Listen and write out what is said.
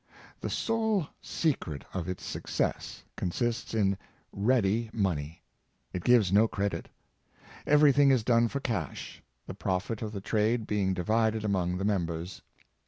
The sole secret of its success consists in " ready money." It gives no credit. Everything is done for cash, the profit of the trade being divided among the members.